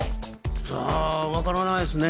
さあ、わからないですね。